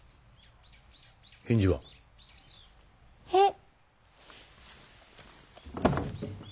返事は？へえ。